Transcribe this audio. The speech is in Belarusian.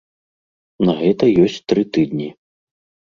На гэта ёсць тры тыдні.